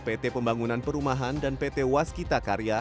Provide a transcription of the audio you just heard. pt pembangunan perumahan dan pt waskita karya